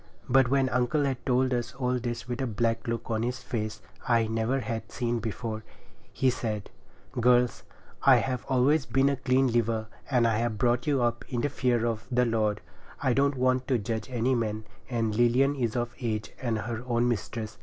But when uncle had told us all this with a black look on his face I never had seen before, he said— 'Girls, I have always been a clean liver, and I have brought you up in the fear of the Lord. I don't want to judge any man, and Lilian is of age and her own mistress.